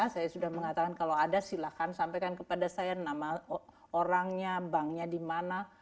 saya sudah mengatakan kalau ada silahkan sampaikan kepada saya nama orangnya banknya di mana